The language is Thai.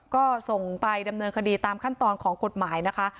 ก็ส่งไปดำเนินคดีตามขั้นตอนของกฎหมายนะคะ